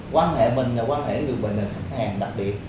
quan hệ mình là quan hệ người bệnh là khách hàng đặc biệt